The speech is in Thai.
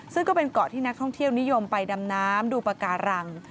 ซึ่งก็เป็นเกาะที่นักท่องเที่ยวนิยมไปดำน้ำดูปากการัง